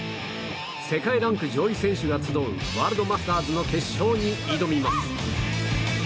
世界ランク上位選手が集うワールドマスターズの決勝に挑みます。